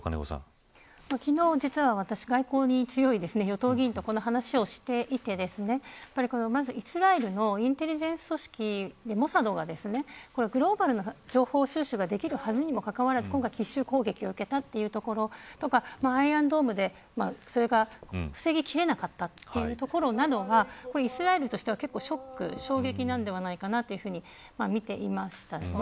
いかがですか外交に強い与党議員と話をしていてイスラエルのインテリジェンス組織のモサドがグローバルな情報収集ができるはずにもかかわらず奇襲攻撃を受けたということでアイアンドームでそれが防ぎきれなかったということなどはイスラエルとしてはかなりの衝撃なのではないかと見ていました。